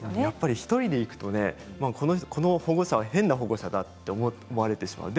１人でいくとこの保護者は変な保護者だと思われてしまいます。